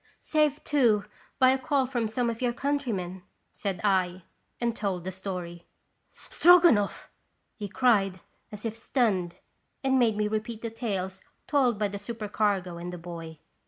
" Saved, too, by a call from some of your countrymen," said I, and told the story. "Stroganoff !" he cried, as if stunned, and made me repeat the tales told by the super cargo and the boy.